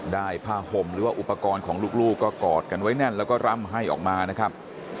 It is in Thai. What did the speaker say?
ผ้าห่มหรือว่าอุปกรณ์ของลูกก็กอดกันไว้แน่นแล้วก็ร่ำให้ออกมานะครับ